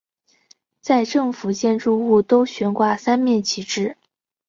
在政府建筑物都悬挂三面旗帜。